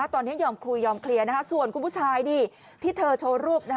ตอนนี้ยอมคุยยอมเคลียร์ส่วนคุณผู้ชายนี่ที่เธอโชว์รูป